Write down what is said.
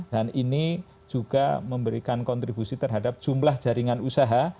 dan ini juga memberikan kontribusi terhadap jumlah jaringan usaha